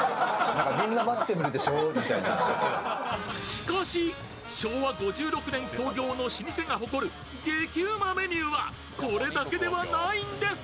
しかし昭和５６年創業の老舗が誇る激うまメニューはこれだけではないんです。